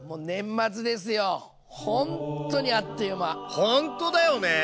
ほんとだよね。